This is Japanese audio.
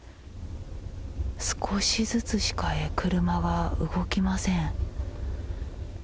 少しずつしか車が動きません。